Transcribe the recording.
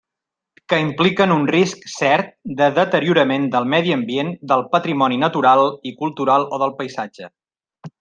Que impliquen un risc cert de deteriorament del medi ambient, del patrimoni natural i cultural o del paisatge.